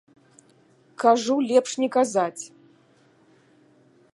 Кажу, лепш не казаць!